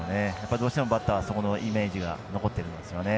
どうしてもバッターあそこのイメージが残っていますから。